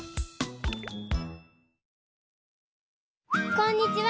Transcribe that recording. こんにちは！